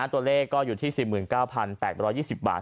ตัวเลขก็อยู่ที่๔๙๘๒๐บาท